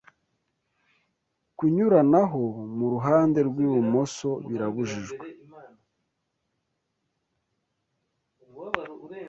Kunyuranaho mu ruhande rw'ibumoso birabujijwe